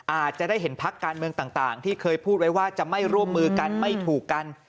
อาจจะได้เห็นพักการเมืองต่างที่เคยพูดไว้ว่าจะไม่ร่วมมือกันไม่ถูกกัน